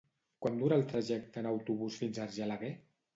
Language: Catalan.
Quant dura el trajecte en autobús fins a Argelaguer?